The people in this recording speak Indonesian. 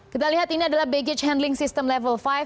kita lihat ini adalah baggage handling system level lima